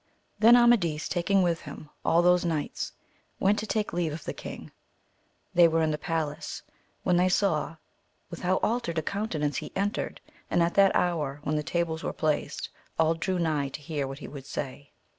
HEN Amadis, taking with him all those knights, went to taJke leave of the king ; they who were in the palace, when they saw with how altered a countenance he entered, and at that hour when the tables were placed, all drew nigh to hear what he should say.